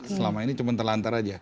selama ini cuma terlantar aja